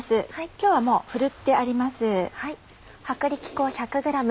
今日はもうふるってあります。